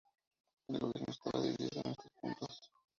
El gobierno estaba dividido en estos puntos.